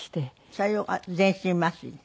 それは全身麻酔で？